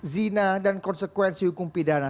zina dan konsekuensi hukum pidana